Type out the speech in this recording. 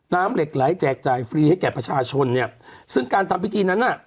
น้ำเหล็กไหลแจกจ่ายฟรีให้แก่ประชาชนเนี่ยซึ่งการทำพิธีนั้นน่ะ